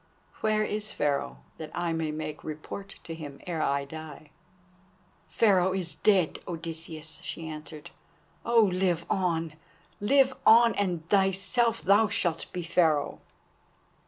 Where is Pharaoh, that I may make report to him ere I die?" "Pharaoh is dead, Odysseus," she answered. "Oh, live on! live on! and thyself thou shalt be Pharaoh."